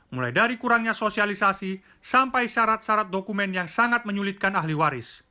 mulai dari kurangnya sosialisasi sampai syarat syarat dokumen yang sangat menyulitkan ahli waris